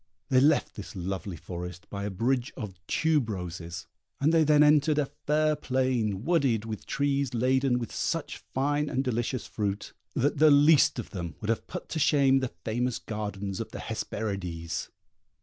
They left this lovely forest by a bridge of tube roses, and they then entered a fair plain, wooded with trees laden with such fine and delicious fruit, that the least of them would have put to shame the famous gardens of the Hesperides.